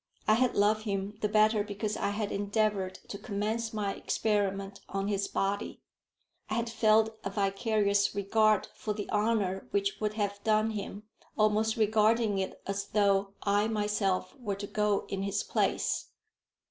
I had loved him the better because I had endeavoured to commence my experiment on his body. I had felt a vicarious regard for the honour which would have been done him, almost regarding it as though I myself were to go in his place.